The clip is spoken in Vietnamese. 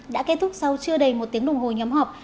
đã kết thúc sau chưa đầy một tiếng đồng hồ nhóm họp